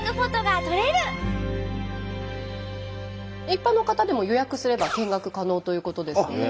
一般の方でも予約すれば見学可能ということですので。